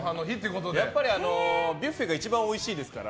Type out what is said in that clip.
やっぱりビュッフェが一番おいしいですから。